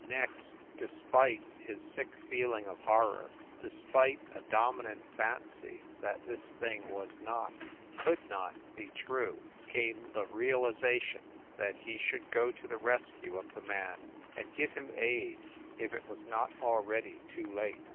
Next, despite his sick feeling of horror, despite a dominant fancy that this thing was not, could not be true, came the realization that he should go to the rescue of the man, and give him aid, if it was not already too late.